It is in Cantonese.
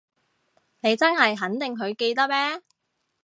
你真係肯定佢記得咩？